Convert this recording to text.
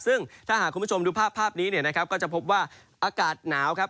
ซึ่งถ้าหากคุณผู้ชมดูภาพภาพนี้เนี่ยนะครับก็จะพบว่าอากาศหนาวครับ